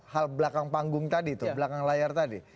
hal belakang panggung tadi tuh belakang layar tadi